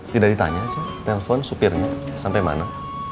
tidak ditanya cik telepon supirnya sampai mana